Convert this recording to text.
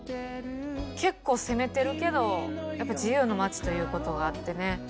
結構攻めてるけどやっぱ自由の街ということがあってね